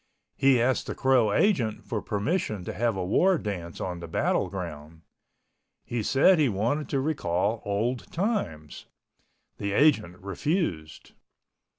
He asked the Crow agent for permission to have a war dance on the battle ground. He said he wanted to recall old times. The agent refused.